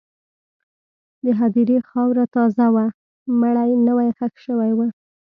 د هدیرې خاوره تازه وه، مړی نوی ښخ شوی و.